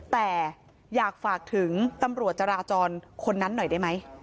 แต่อยากฝากถึงตำรวจจราจรคนนั้นหน่อยได้ไหม